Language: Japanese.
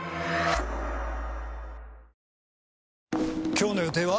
今日の予定は？